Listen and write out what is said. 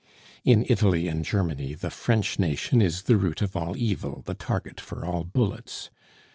In Italy and Germany the French nation is the root of all evil, the target for all bullets.